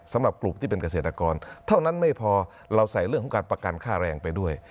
สำหรับกลุ่มที่เป็นเกษตรกรเท่านั้นไม่พอเราใส่เรื่องของการประกันค่าแรงไปด้วย